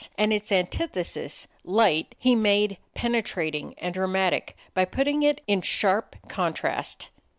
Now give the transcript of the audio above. And its antithesis, light, he made penetrating and dramatic by putting it in sharp contrast.